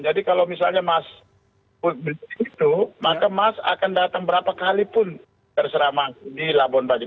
jadi kalau misalnya mas berdialog itu maka mas akan datang berapa kali pun terserah mas di labuan bajik